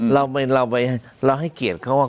เราให้เกียรติเขา